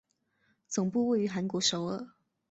总部位于韩国首尔。